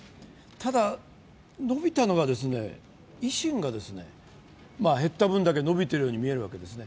ただ、維新が減った分だけ伸びているように見えるんですね。